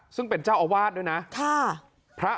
ซึ่งเป็นเจ้าอาวาสด้วยนะ